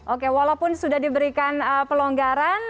oke walaupun sudah diberikan pelonggaran